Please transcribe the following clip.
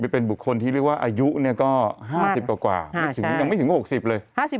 เป็นบุคคลที่เรียกว่าอายุก็๕๐กว่ายังไม่ถึง๖๐เลย